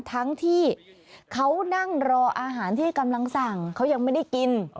ทั้งที่เขานั่งรออาหารที่กำลังสั่งเขายังไม่ได้กิน